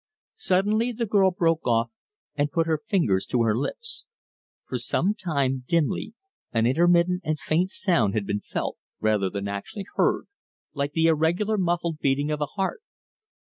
Suddenly the girl broke off and put her fingers to her lips. For some time, dimly, an intermittent and faint sound had been felt, rather than actually heard, like the irregular muffled beating of a heart.